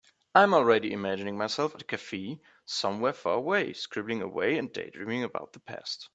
I am already imagining myself at a cafe somewhere far away, scribbling away and daydreaming about the past.